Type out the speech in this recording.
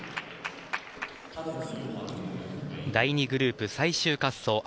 第２グループ最終滑走。